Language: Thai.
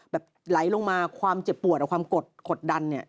แบบไหลลงมาความเจ็บปวดความกดดัน